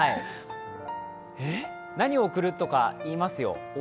何を贈るとかいいますよ。